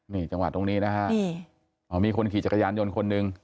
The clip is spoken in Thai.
นี่จังหวะตรงนี้นะฮะอ๋อมีคนขี่จักรยานยนต์คนหนึ่ง